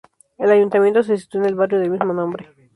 El ayuntamiento se sitúa en el barrio del mismo nombre.